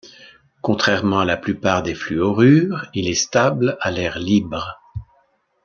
Contrairement à la plupart des fluorures, il est stable à l'air libre.